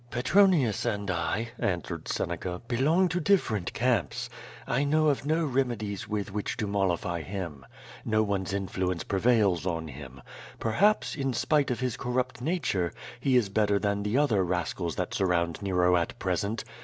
'* "Petronius and I," answered Seneca, belong to different camps. I know of no remedies with which to mollify him. No one's influence prevails on him. Perhaps, in spite of his corrupt nature, he is better than the other rascals that sur round Nero at present.